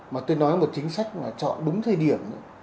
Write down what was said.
mà tôi nói một chính sách là chọn đúng thời điểm